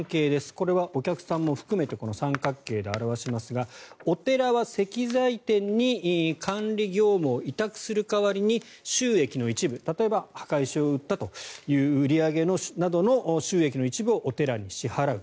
これはお客さんも含めてこの三角形で表しますがお寺は石材店に管理業務を委託する代わりに収益の一部、例えば墓石を売ったという売り上げなどの収益の一部をお寺に支払う。